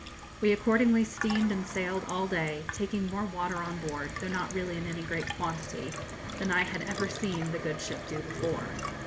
We accordingly steamed and sailed all day, taking more water on board, though not really in any great quantity, than I had ever seen the good ship do before.